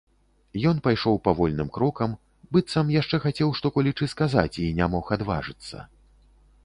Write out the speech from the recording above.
Ён пайшоў павольным крокам, быццам яшчэ хацеў што-колечы сказаць і не мог адважыцца.